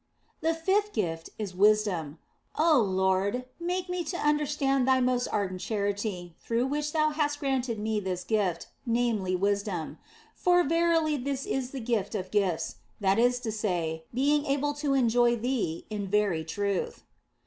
" The fifth gift is wisdom. Oh Lord, make me to under stand Thy most ardent charity through which Thou hast granted me this gift, namely wisdom. For verily this is the gift of gifts, that is to say, being able to enjoy Thee in very truth.